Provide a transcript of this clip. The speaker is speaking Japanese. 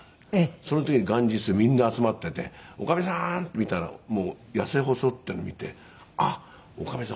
その時元日でみんな集まってて女将さんって見たらもう痩せ細ってるの見てあっ女将さん